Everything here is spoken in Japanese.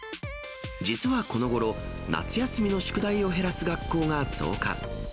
実はこのごろ、夏休みの宿題を減らす学校が増加。